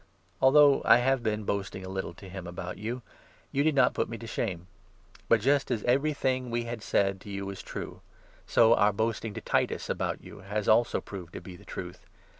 Although I have been 14 boasting a little to him about you, you did not put me to shame ; but, just as every thing we had said to you was true, so our boasting to Titus about you has also proved to be the truth.